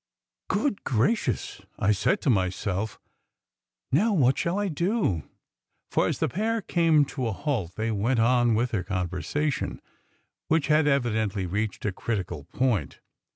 "Good gracious!" I said to myself. "Now what shall I do?" For as the pair came to a halt they went on with their conversation, which had evidently reached a critical point.